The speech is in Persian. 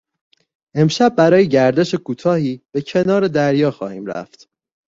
امشب برای گردش کوتاهی به کنار دریا خواهیم رفت.